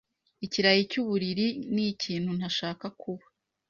Ikirayi cyuburiri nikintu ntashaka kuba.